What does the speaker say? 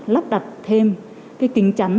lắp đặt thêm cái kính chắn